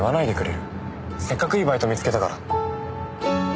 せっかくいいバイト見つけたから。